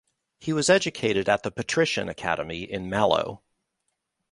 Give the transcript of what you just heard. He was educated at the Patrician Academy in Mallow.